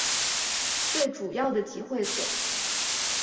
最主要的集会所